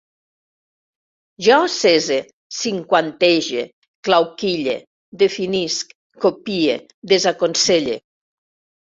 Jo cesse, cinquantege, clauquille, definisc, copie, desaconselle